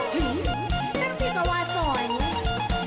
หวานเทียบ